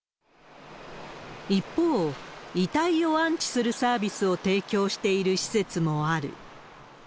一方、遺体を安置するサービスを提供している施設もある。